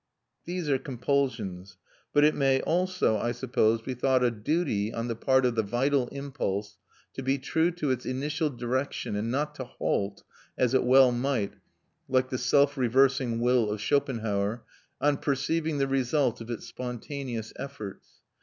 These are compulsions; but it may also, I suppose, be thought a duty on the part of the vital impulse to be true to its initial direction and not to halt, as it well might, like the self reversing Will of Schopenhauer, on perceiving the result of its spontaneous efforts.